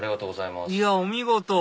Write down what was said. いやお見事！